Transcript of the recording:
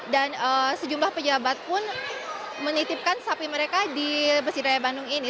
dan sejumlah pejabat pun menitipkan sapi mereka di masjid raya bandung ini